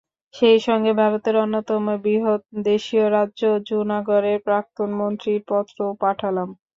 সেই সঙ্গে ভারতের অন্যতম বৃহৎ দেশীয় রাজ্য জুনাগড়ের প্রাক্তন মন্ত্রীর পত্রও পাঠালাম।